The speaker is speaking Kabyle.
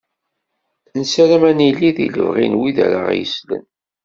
Nessaram ad nili di lebɣi n wid ara aɣ-yeslen.